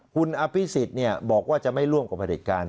คุณอภิษฎเนี่ยบอกว่าจะไม่ร่วมกับประเด็จการ